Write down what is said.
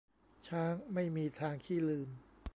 ช้างไม่มีทางขี้ลืม